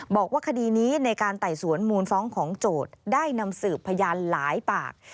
บอกว่าคดีนี้ในการไต่สวนมูลฟ้องของโจทย์ได้นำสืบพยานหลายปาก